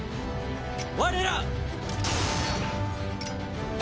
我ら。